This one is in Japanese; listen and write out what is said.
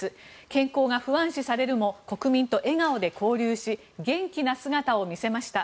健康が不安視されるも国民と笑顔で交流し元気な姿を見せました。